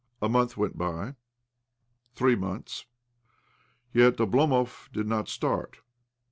A month went by — three months ; yet Oblomov still did not start.